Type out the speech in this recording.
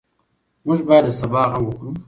موږ باید د سبا غم وخورو.